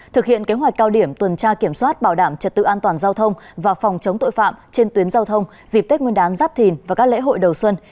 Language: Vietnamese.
thực hiện kế hoạch cao điểm tuần tra kiểm soát bảo đảm trật tự an toàn giao thông và phòng chống tội phạm trên tuyến giao thông dịp tết nguyên đán giáp thìn và các lễ hội đầu xuân